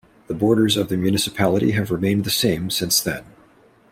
The borders of the municipality have remained the same since then.